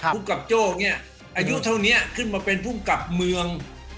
ภูมิกับโจ้เนี่ยอายุเท่านี้ขึ้นมาเป็นภูมิกับเมือง